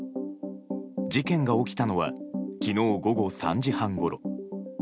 事件が起きたのは昨日午後３時半ごろ。